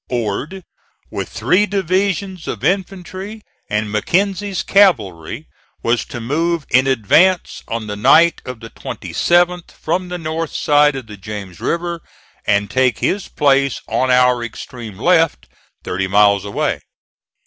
Ord, with three divisions of infantry and Mackenzie's cavalry, was to move in advance on the night of the 27th, from the north side of the James River and take his place on our extreme left, thirty miles away.